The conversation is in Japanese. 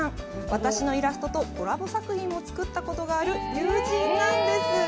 私のイラストとコラボ作品も作ったことがある友人なんです